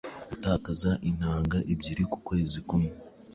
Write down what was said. gutakaza intanga ebyiri ku kwezi kumwe.”